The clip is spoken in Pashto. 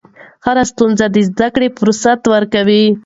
هره ستونزه د زدهکړې فرصت ورکوي.